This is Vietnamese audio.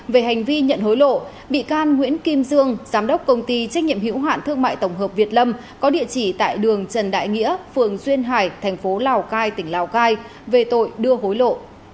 về hành vi nhận hối lộ bị can nguyễn kim dương giám đốc công ty trách nhiệm hữu hạn thương mại tổng hợp việt lâm có địa chỉ tại đường trần đại nghĩa phường duyên hải thành phố lào cai tỉnh lào cai về tội đưa hối lộ